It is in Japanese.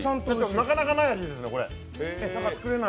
なかなかない味ですね。